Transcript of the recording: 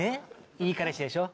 いい彼氏でしょ？